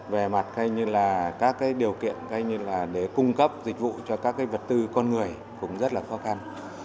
về mặt các điều kiện để cung cấp dịch vụ cho các vật tư con người cũng rất là khó khăn